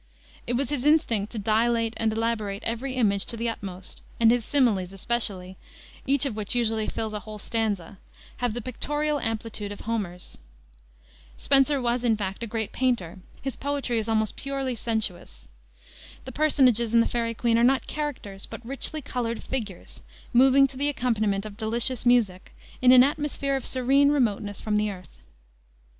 It was his instinct to dilate and elaborate every image to the utmost, and his similes, especially each of which usually fills a whole stanza have the pictorial amplitude of Homer's. Spenser was, in fact, a great painter. His poetry is almost purely sensuous. The personages in the Faery Queene are not characters, but richly colored figures, moving to the accompaniment of delicious music, in an atmosphere of serene remoteness from the earth.